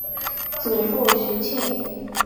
祖父徐庆。